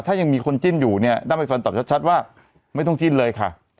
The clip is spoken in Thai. ถ้ายังมีคนจิ้นอยู่เนี่ยด้ามใบฟันตอบชัดว่าไม่ต้องจิ้นเลยค่ะ